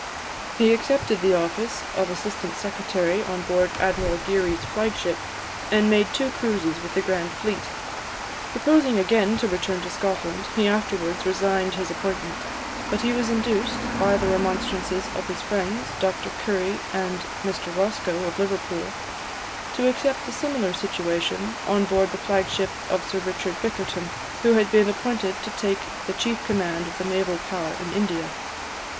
He accepted the office of assistant secretary on board Admiral Geary's flag ship, and made two cruises with the grand fleet. Proposing again to return to Scotland, he afterwards resigned his appointment; but he was induced, by the remonstrances of his friends, Dr Currie, and Mr Roscoe, of Liverpool, to accept a similar situation on board the flag ship of Sir Richard Bickerton, who had been appointed to take the chief command of the naval power in India.